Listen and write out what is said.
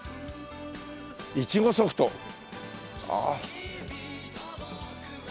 「いちごソフト」ああ。